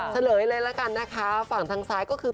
เฉลยเลยละกันนะคะฝั่งทางซ้ายก็คือ